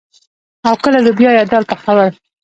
او کله لوبيا يا دال پخول.